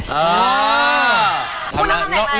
อ๋อคุณต้องทำแขนกไหนคุณ